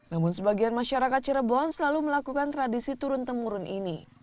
namun sebagian masyarakat cirebon selalu melakukan tradisi turun temurun ini